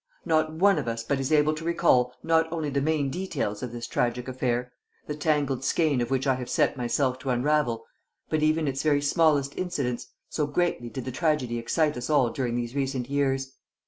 Not one of us but is able to recall not only the main details of this tragic affair, the tangled skein of which I have set myself to unravel, but even its very smallest incidents, so greatly did the tragedy excite us all during these recent years.